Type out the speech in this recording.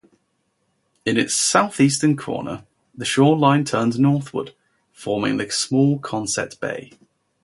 In its southeastern corner, the shoreline turns northward, forming the small Conset Bay.